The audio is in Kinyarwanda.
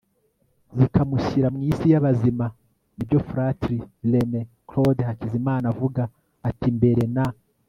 zikamushyira mw'isi y'abazima. nibyo fratri rené claude hakizimana avuga ati mbere na